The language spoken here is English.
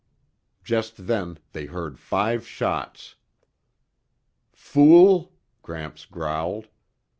Just then, they heard five shots. "Fool!" Gramps growled.